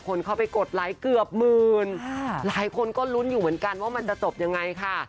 คนเข้าไปกดไลค์เกือบหมื่นหลายคนก็ลุ้นอยู่เหมือนกันว่ามันจะจบยังไงค่ะ